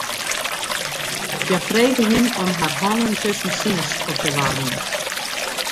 Hja frege him om har hannen tusken sines op te waarmjen.